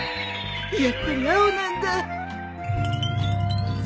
やっぱり青なんだ！